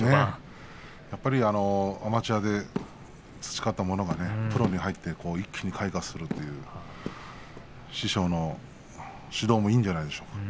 やっぱりアマチュアで培ったものがプロに入って一気に開花するというのは師匠の指導もいいんじゃないでしょうか。